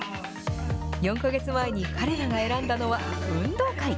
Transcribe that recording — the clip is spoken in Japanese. ４か月前に彼らが選んだのは、運動会。